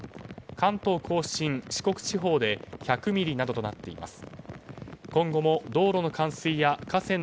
関東・甲信、四国地方で１００ミリなどとなっています。